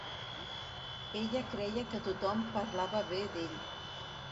Ella creia que tothom parlava bé d'ell.